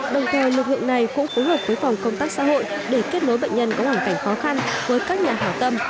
đồng thời lực lượng này cũng phối hợp với phòng công tác xã hội để kết nối bệnh nhân có hoàn cảnh khó khăn với các nhà hào tâm